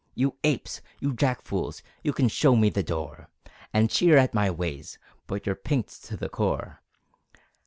You Apes! You Jack fools! You can show me the door, And jeer at my ways, But you're pinked to the core.